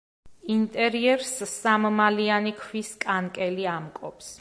ინტერიერს სამმალიანი ქვის კანკელი ამკობს.